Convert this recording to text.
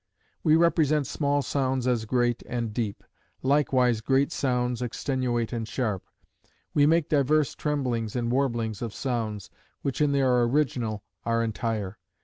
We represent small sounds as great and deep; likewise great sounds extenuate and sharp; we make divers tremblings and warblings of sounds, which in their original are entire.